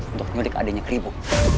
untuk nyulik adiknya keribu